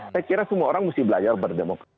saya kira semua orang mesti belajar berdemokrasi